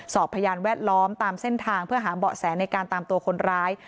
พยานแวดล้อมตามเส้นทางเพื่อหาเบาะแสในการตามตัวคนร้าย